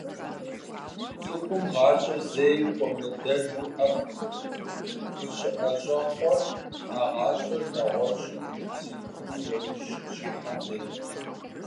ЦӀыхум гъащӀэр зэи хуэмыдэжу ӀэфӀ къыщыӀэщӀэхъуэр, а гъащӀэр нэгъуэщӀым трихыну яужь къыщихьэм дежщ.